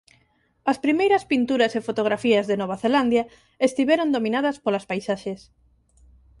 As primeiras pinturas e fotografías de Nova Zelandia estiveron dominadas polas paisaxes.